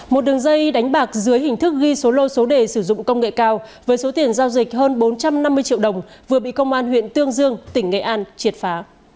một đường dây đánh bạc dưới hình thức ghi số lô số đề sử dụng công nghệ cao với số tiền giao dịch hơn bốn trăm năm mươi triệu đồng vừa bị công an huyện tương dương tỉnh nghệ an triệt phá